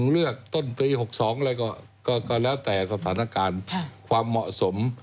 เลือกต้นปี๖๒อะไรก็แล้วแต่สถานการณ์ความเหมาะสม